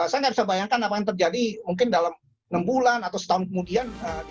saya nggak bisa bayangkan apa yang terjadi mungkin dalam enam bulan atau setahun kemudian